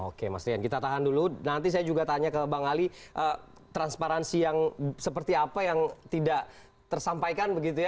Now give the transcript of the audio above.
oke mas rian kita tahan dulu nanti saya juga tanya ke bang ali transparansi yang seperti apa yang tidak tersampaikan begitu ya